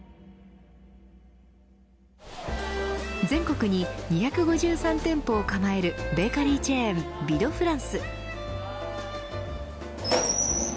全国に２５３店舗を構えるベーカリーチェーンヴィ・ド・フランス。